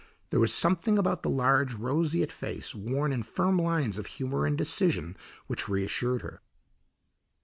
There was something about the large, roseate face worn in firm lines of humour and decision which reassured her.